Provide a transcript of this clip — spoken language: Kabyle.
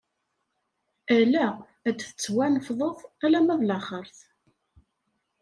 Ala, ad d-tettwanefḍeḍ alamma d laxeṛt!